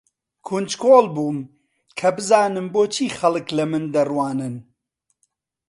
کونجکۆڵ بووم کە بزانم بۆچی خەڵک لە من دەڕوانن.